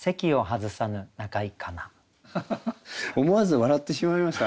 思わず笑ってしまいました。